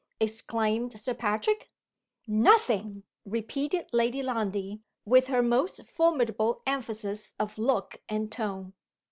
exclaimed Sir Patrick. "Nothing," repeated Lady Lundie, with her most formidable emphasis of look and tone.